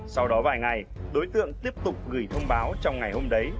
sau đó vài ngày đối tượng tiếp tục gửi thông báo trong ngày hôm đấy